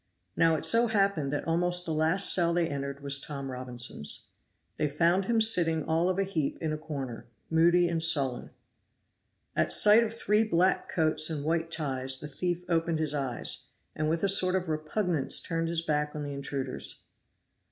Now it so happened that almost the last cell they entered was Tom Robinson's. They found him sitting all of a heap in a corner, moody and sullen. At sight of three black coats and white ties the thief opened his eyes, and with a sort of repugnance turned his back on the intruders.